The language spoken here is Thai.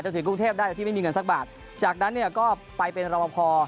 ถึงกรุงเทพได้โดยที่ไม่มีเงินสักบาทจากนั้นเนี่ยก็ไปเป็นรบพอ